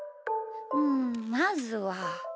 うんまずは。